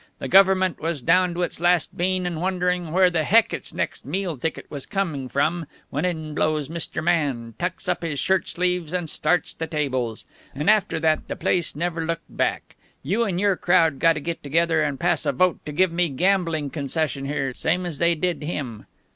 The government was down to its last bean and wondering where the Heck its next meal ticket was coming from, when in blows Mr. Man, tucks up his shirt sleeves, and starts the tables. And after that the place never looked back. You and your crowd gotta get together and pass a vote to give me a gambling concession here, same as they did him.